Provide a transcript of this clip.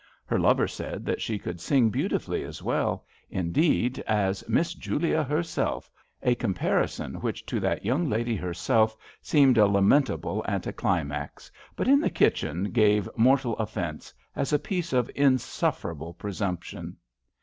Her lover said that she could sing beautifully, as well, indeed, as "Miss Julia" herself, a comparison which to that young lady her self seemed a lamentable anti climax, but in the kitchen gave mortal oflFence, as a piece of insufferable presumption.